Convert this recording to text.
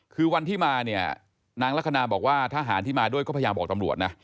คือวันที่มาเนี่ยนางลักษณะบอกว่าทหารที่มาด้วยก็พยายามบอกตำรวจนะ